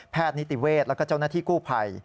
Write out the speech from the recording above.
แพทย์นิติเวทย์แล้วก็เจ้าหน้าที่กู้ภัย